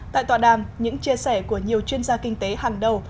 tại tòa đàm những chia sẻ của nhiều chuyên gia kinh tế hàng đầu